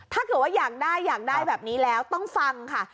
ถ้าเกิดว่าอยากได้อยากได้แบบนี้แล้วต้องฟังค่ะ